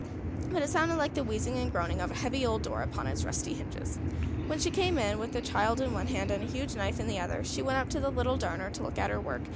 But it sounded like the wheezing and groaning of a heavy old door upon its rusty hinges. When she came in, with the child in one hand, and the huge knife in the other, she went up to the little darner to look at her work.